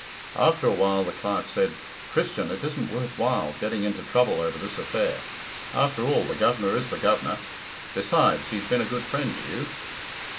After a while the Clerk said, "Christian, it isn't worth while getting into trouble over this affair. After all, the Governor is the Governor. Besides, he's been a good friend to you."